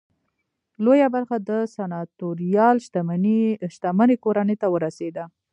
لویه برخه د سناتوریال شتمنۍ کورنۍ ته ورسېده.